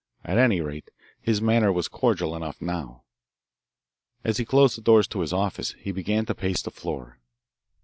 At any rate, his manner was cordial enough now. As he closed the doors to his office, he began to pace the floor.